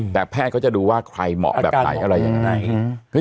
แต่แพทย์เขาจะดูว่าใครเหมาะแบบไหนอะไรยังไง